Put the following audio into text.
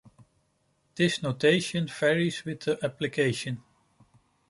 This notion varies with the application.